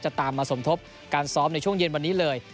ตามมาสมทบการซ้อมในช่วงเย็นวันนี้เลย